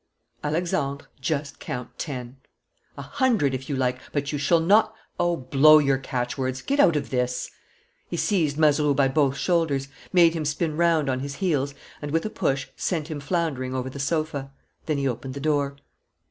"Alexandre, just count ten." "A hundred, if you like, but you shall not...." "Oh, blow your catchwords! Get out of this." He seized Mazeroux by both shoulders, made him spin round on his heels and, with a push, sent him floundering over the sofa. Then he opened the door.